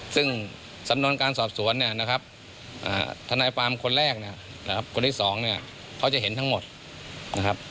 ซึ่งสำนวนการสอบสวนทนายฟาร์มคนแรกคนที่๒เขาจะเห็นทั้งหมดนะครับ